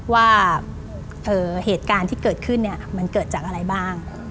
ว่าเหตุการณ์ที่เกิดขึ้นมันเกิดจากอะไรบ้าง